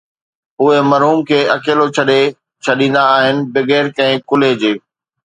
اهي مرحوم کي اڪيلو ڇڏي ڇڏيندا آهن بغير ڪنهن ڪلهي جي